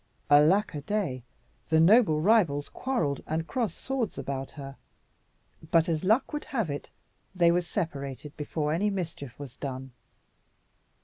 Alack a day! the noble rivals quarrelled and crossed swords about her; but as luck would have it, they were separated before any mischief was done.